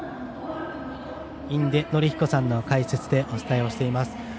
印出順彦さんの解説でお伝えしています。